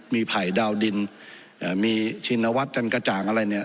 มีไผ่ดาวดินมีชีวนวัดจำงอะไรเนี่ย